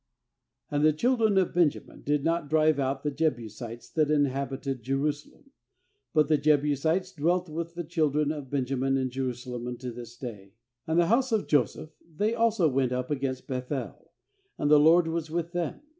^ ^And the children of Benja min did not drive out the Jebusites that inhabited Jerusalem; but the Jebusites dwelt with the children of Benjamin in Jerusalem, unto this day. ^And the house of Joseph, they also went up against Beth el; and the LORD was with them.